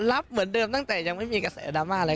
รับเหมือนเดิมตั้งแต่ยังไม่มีกระแสดราม่าอะไร